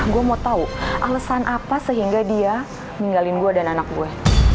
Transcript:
gue mau tau alesan apa sehingga dia ninggalin gue dan anak gue